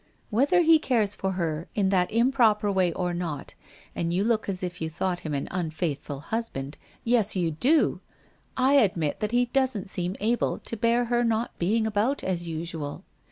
Whether he cares for her in that improper way or not, and you look as if you thought him an unfaithful husband — yes, you do !— I admit that he doesn't seem able to bear her not being about as usual.